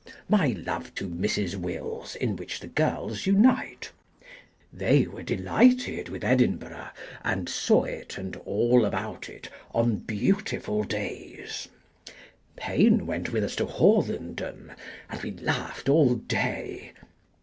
My love to Mrs. Wills, in which the girls unite. They were delighted with Edinburgh, and saw it, and all about it, on beautiful days. Payn went with us to Hawthornden, and we laughed all day.